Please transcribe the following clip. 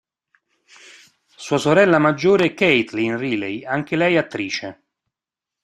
Sua sorella maggiore è Kaitlin Riley anche lei attrice.